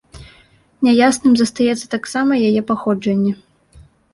Няясным застаецца таксама яе паходжанне.